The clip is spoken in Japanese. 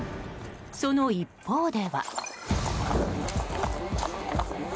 その一方では。